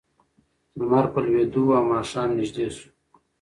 لمر په لوېدو و او ماښام نږدې شو.